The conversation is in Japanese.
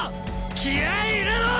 気合い入れろ！